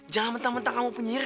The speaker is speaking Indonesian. jangan mentah mentah kamu punya iri